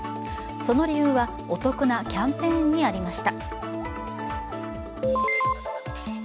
その理由は、お得なキャンペーンにありました。